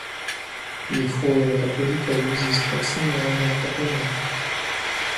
Pli frue la katolikoj uzis proksime alian kapelon.